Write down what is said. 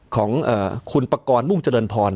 ของคุณปกรณ์มุ่งเจริญพร